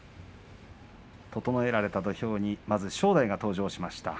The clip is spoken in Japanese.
整えられた土俵に、まず正代が登場しました。